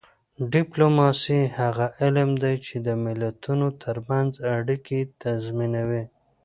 ډیپلوماسي هغه علم دی چې د ملتونو ترمنځ اړیکې تنظیموي